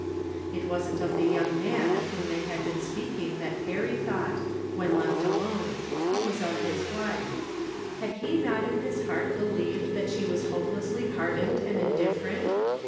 It wasn't of the young man of whom they had been speaking that Perry thought, when left alone. It was of his wife. Had he not in his heart believed that she was hopelessly har dened and indifferent